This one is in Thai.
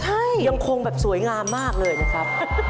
ใช่ยังคงแบบสวยงามมากเลยนะครับ